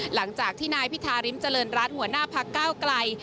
หลังจากที่นายพิธาริมเจริญรัฐหัวหน้าพักเก้าไกล